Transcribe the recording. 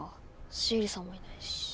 シエリさんもいないし。